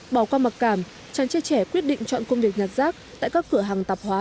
bỏ qua mặc cảm chàng trai trẻ quyết định chọn công việc nhặt rác tại các cửa hàng tạp hóa